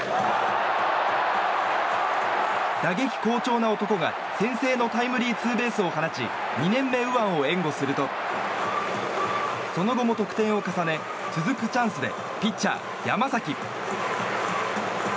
打撃好調な男が先制のタイムリーツーベースを放ち２年目右腕を援護するとその後も得点を重ね続くチャンスでピッチャー、山崎。